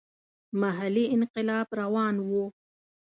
محلي انقلاب روان وو.